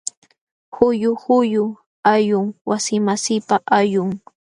Huyu huyu allqum wasimasiipa allqun.